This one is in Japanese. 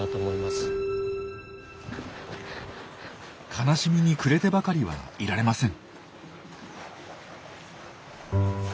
悲しみに暮れてばかりはいられません。